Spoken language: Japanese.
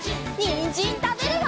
にんじんたべるよ！